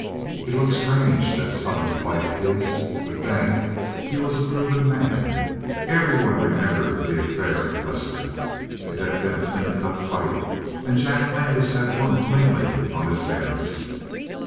It looked strange, that sudden flight of his, but then, he was a proven man. Everyone remembered the affair of Lester. It had been a clean cut fight, and Jack Landis had won cleanly on his merits.